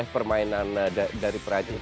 itu permainan dari perancis